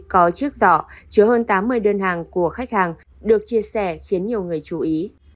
có chiếc giỏ chứa hơn tám mươi đơn hàng của khách hàng được chia sẻ khiến nhiều người chú ý